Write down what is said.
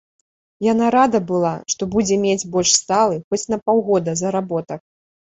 Яна рада была, што будзе мець больш сталы, хоць на паўгода, заработак.